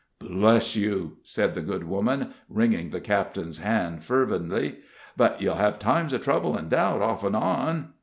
"Bless you!" said the good woman, wringing the captain's hand fervidly. "But you'll hev times of trouble an' doubt, off an' on."